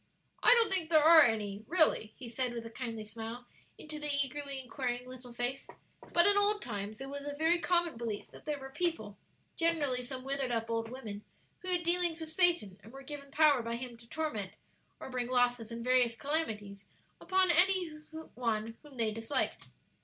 "I don't think there are any, really," he said, with a kindly smile into the eagerly inquiring little face; "but in old times it was a very common belief that there were people generally some withered up old women who had dealings with Satan, and were given power by him to torment, or bring losses and various calamities upon any one whom they disliked.